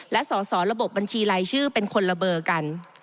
และสอสอระบบบัญชีรายชื่อเป็นคนละเบอร์กัน